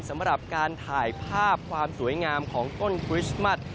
สำหรับการถ่ายภาพความสวยงามของต้นคริสต์มัส